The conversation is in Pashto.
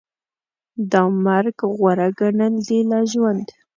دا مرګ غوره ګڼل دي له ژوند